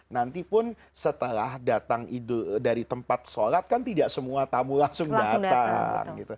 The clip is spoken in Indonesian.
nanti pun setelah datang dari tempat sholat kan tidak semua tamu langsung datang